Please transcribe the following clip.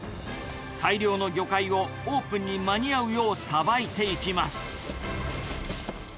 大量の魚介をオープンに間に合うようさばいていきます。